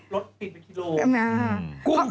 ลดปิดเป็นคิโลกรัม